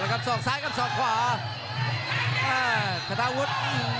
เอาละครับสอกซ้ายกับสอกขวาอ่าขนาวุฒิ